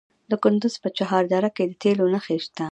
د کندز په چهار دره کې د تیلو نښې شته.